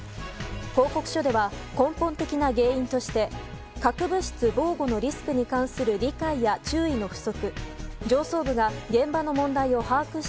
報告書では根本的な原因として核物質のリスクに関する理解や注意の不足